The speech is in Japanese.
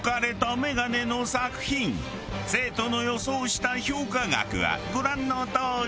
生徒の予想した評価額はご覧のとおり。